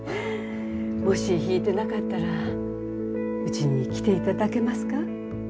もし弾いてなかったらうちに来て頂けますか？